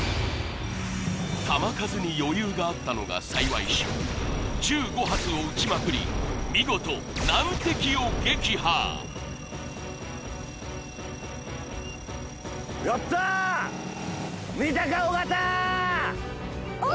弾数に余裕があったのが幸いし１５発を撃ちまくり見事難敵を撃破おお！